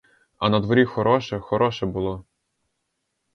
А надворі хороше, хороше було.